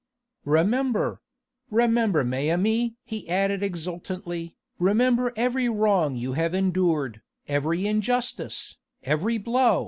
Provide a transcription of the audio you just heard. "Remember! Remember, mes amis!" he added exultantly, "remember every wrong you have endured, every injustice, every blow!